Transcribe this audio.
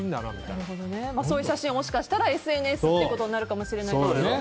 そういう写真、もしかしたらＳＮＳにということになるかもしれないですね。